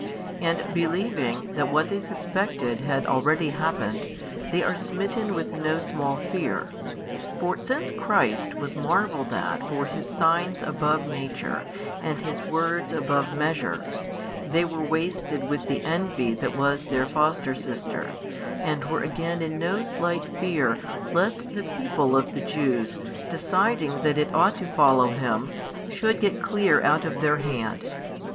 And believing that what they suspected had already happened, they are smitten with no small fear. For since Christ was marvelled at for His Signs above nature and His Words above measure, they were wasted with the envy that was their foster sister, and were again in no slight fear lest the people of the Jews deciding that it ought to follow Him, should get clear out of their hand.